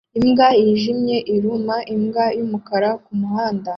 Imbwa yijimye iruma imbwa yumukara kumuhanda